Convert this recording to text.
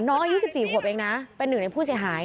น้องอายุ๑๔ขวบเองนะเป็นหนึ่งในผู้เสียหาย